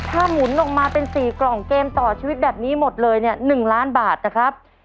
ถ้าหมุนออกมาเป็น๔กล่องเกมต่อชีวิตแบบนี้หมดเลยเนี่ย๑ล้านบาทนะครับ